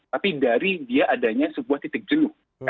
tapi dari dia adanya sebuah titik jenuh